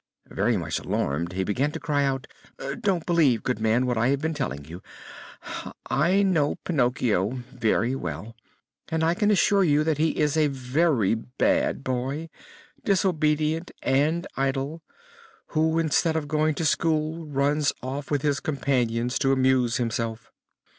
Very much alarmed he began to cry out: "Don't believe, good man, what I have been telling you. I know Pinocchio very well and I can assure you that he is a very bad boy, disobedient and idle, who, instead of going to school, runs off with his companions to amuse himself."